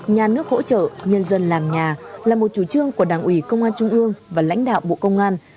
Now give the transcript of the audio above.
nhà nước hỗ trợ nhân dân làm nhà là một chủ trương của đảng ủy công an trung ương và lãnh đạo bộ công an